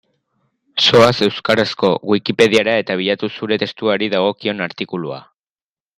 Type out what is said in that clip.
Zoaz euskarazko Wikipediara eta bilatu zure testuari dagokion artikulua.